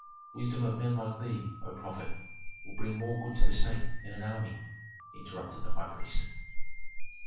"Wisdom of men like thee, O prophet, will bring more good to the state than an army," interrupted the high priest.